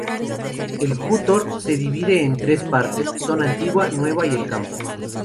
El "jútor" se divide en tres partes: zona antigua, nueva y el campo.